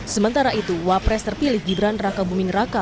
sementara itu wapres terpilih gibran raka buming raka